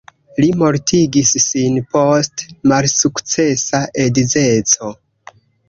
Li mortigis sin post malsukcesa edzeco.